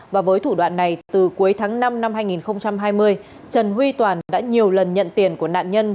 và với thủ đoạn này từ cuối tháng năm năm hai nghìn hai mươi trần huy toàn đã nhiều lần nhận tiền của nạn nhân